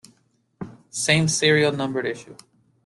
Same-serial numbered issue.